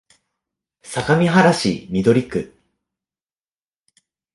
相模原市緑区